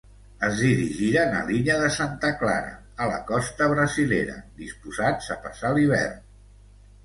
Es dirigiren a l'illa de Santa Clara, a la costa brasilera, disposats a passar l'hivern.